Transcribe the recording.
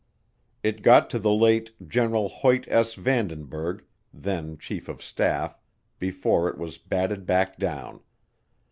It got to the late General Hoyt S. Vandenberg, then Chief of Staff, before it was batted back down.